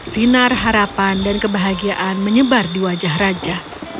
sinar harapan dan kebahagiaan menyebar di wajah raja